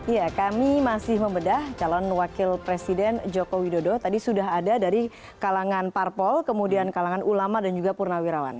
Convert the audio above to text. ya kami masih membedah calon wakil presiden joko widodo tadi sudah ada dari kalangan parpol kemudian kalangan ulama dan juga purnawirawan